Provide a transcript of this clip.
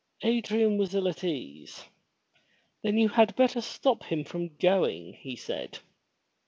Adrian was ill at ease. Then you had better stop him from going," he said.